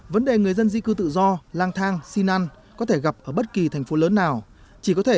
vấn đề người dân di cư tự do lang thang xin ăn có thể gặp ở bất kỳ thành phố lớn nào chỉ có thể